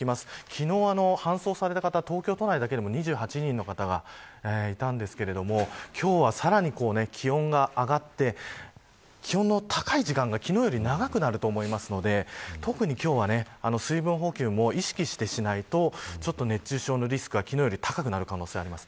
昨日搬送された方東京都内だけでも２８人の方がいたんですけれども今日は、さらに気温が上がって気温の高い時間が昨日より長くなると思いますので特に今日は水分補給も意識してしないと熱中症のリスクは、昨日より高くなる可能性あります。